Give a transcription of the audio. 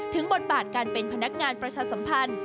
บทบาทการเป็นพนักงานประชาสัมพันธ์